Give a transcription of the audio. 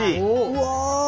うわ！